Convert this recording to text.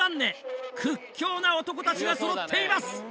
屈強な男たちがそろっています！